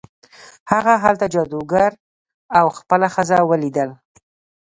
هغه هلته جادوګر او خپله ښځه ولیدل.